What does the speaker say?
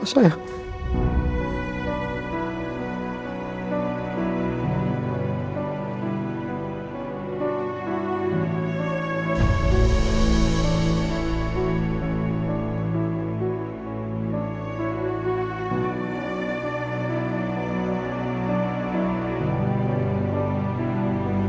assalamualaikum warahmatullahi wabarakatuh